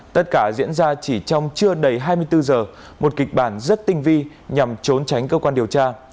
tất cả diễn ra chỉ trong chưa đầy hai mươi bốn giờ một kịch bản rất tinh vi nhằm trốn tránh cơ quan điều tra